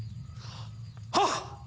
はっ！